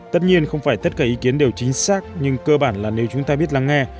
tất nhiên không phải tất cả ý kiến đều chính xác nhưng cơ bản là nếu chúng ta biết lắng nghe